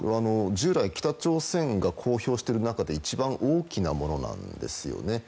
従来、北朝鮮が公表している中で一番大きなものなんですよね。